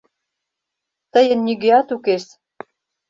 Тыйын нигӧат укес.